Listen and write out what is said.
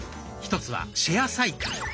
１つはシェアサイクル。